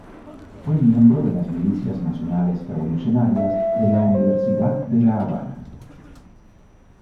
Fue miembro de las Milicias Nacionales Revolucionarias de la Universidad de La Habana.